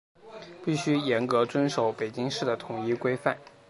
必须严格遵守北京市的统一规范